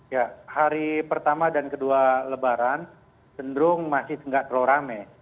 ya hari pertama dan kedua lebaran cenderung masih nggak terlalu rame